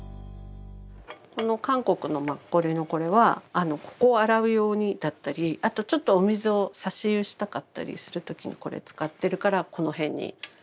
この韓国のマッコリのこれはここを洗う用にだったりあとちょっとお水をさし湯したかったりする時にこれ使ってるからこの辺にあるとか。